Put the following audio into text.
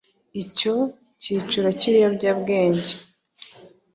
icyo cyiciro cy’ibiyobyabwenge